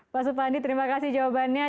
pak supandi terima kasih jawabannya